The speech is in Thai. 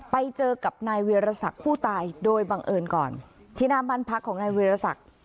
ไปเจอกับนายเวียรศักดิ์ผู้ตายโดยบังเอิญก่อนที่หน้าบ้านพักของนายวิรสัก